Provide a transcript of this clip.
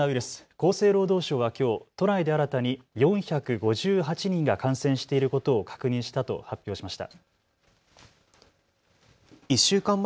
厚生労働省はきょう都内で新たに４５８人が感染していることを確認したと発表しました。